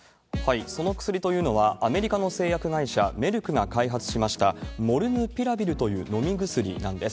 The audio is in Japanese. その薬というのは、アメリカの製薬会社、メルクが開発しました、モルヌピラビルという飲み薬なんです。